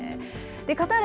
カターレ